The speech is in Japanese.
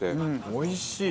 おいしい！